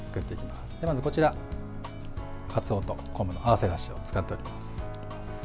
まずこちら、かつおと昆布の合わせだしを使っております。